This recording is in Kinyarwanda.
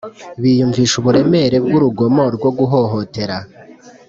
biyumvisha uburemere bw'urugomo rwo guhohotera